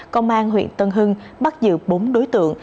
công an huyện tân hưng bắt giữ bốn đối tượng